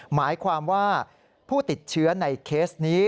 หมายความว่าผู้ติดเชื้อในเคสนี้